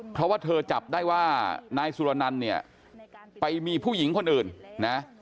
เพราะว่าเธอจับได้ว่านายสุรนันต์เนี่ยไปมีผู้หญิงคนอื่นนะ